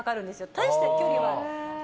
大して距離は。